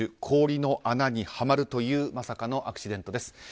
氷の穴にはまるというまさかのアクシデントです。